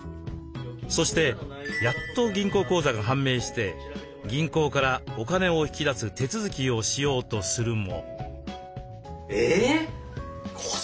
そしてやっと銀行口座が判明して銀行からお金を引き出す手続きをしようとするも。